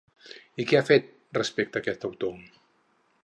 I què ha fet respecte aquest autor?